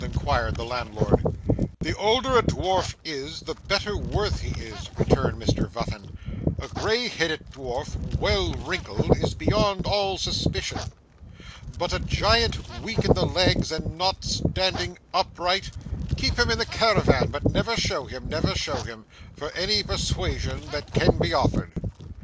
inquired the landlord. 'The older a dwarf is, the better worth he is,' returned Mr Vuffin; 'a grey headed dwarf, well wrinkled, is beyond all suspicion. But a giant weak in the legs and not standing upright! keep him in the carawan, but never show him, never show him, for any persuasion that can be offered.